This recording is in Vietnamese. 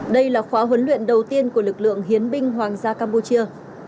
đây là khóa huấn luyện đầu tiên của lực lượng hiến binh hoàng gia campuchia